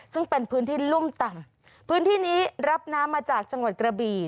ซึ่งเป็นพื้นที่รุ่มต่ำพื้นที่นี้รับน้ำมาจากจังหวัดกระบี่